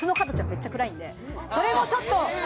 めっちゃ暗いんでそれもちょっと。